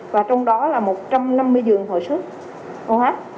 và trong đó là một trăm năm mươi giường hồi sức oh